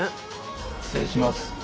失礼します。